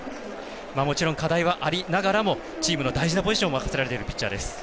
もちろん課題はありながらもチームの大事なポジションを任せられている選手です。